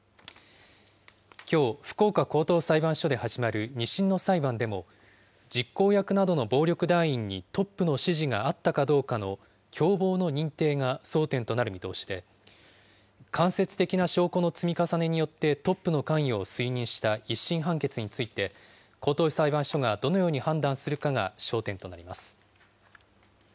きょう、福岡高等裁判所で始まる２審の裁判でも、実行役などの暴力団員にトップの指示があったかどうかの共謀の認定が争点となる見通しで、間接的な証拠の積み重ねによってトップの関与を推認した１審判決について高等裁判所がどのように判断するかが焦点となります。